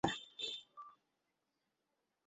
নক্ষত্ররায় কহিলেন, সে কী কথা!